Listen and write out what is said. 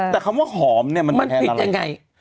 แต่คำว่าหอมมันแทนอะไรมันผิดยังไง